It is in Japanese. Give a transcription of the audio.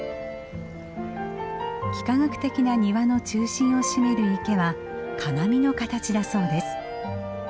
幾何学的な庭の中心を占める池は鏡の形だそうです。